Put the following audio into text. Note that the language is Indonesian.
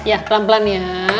ya pelan pelan ya